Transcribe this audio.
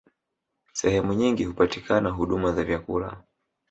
Sehemu nyingi hupatikana huduma za vyakula